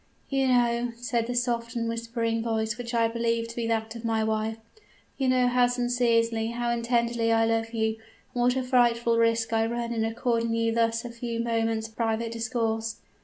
"'You know,' said the soft and whispering voice which I believed to be that of my wife, 'you know how sincerely, how tenderly I love you, and what a frightful risk I run in according you thus a few moments' private discourse!'